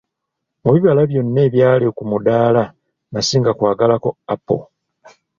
Mu bibala byonna ebyali ku mudaala nasinga kwagalako apo.